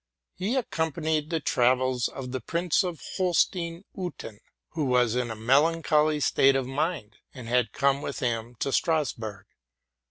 He accompanied the travels of the Prince of Hol stein Eutin, who was in a melancholy state of mind, and had come with him to Strasburg.